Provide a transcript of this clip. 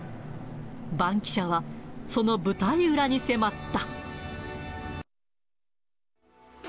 バンキシャは、その舞台裏に迫った。